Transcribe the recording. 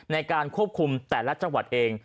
ในการควบคุมแต่ละจังหวัดเอง